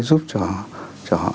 giúp cho họ